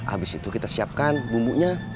habis itu kita siapkan bumbunya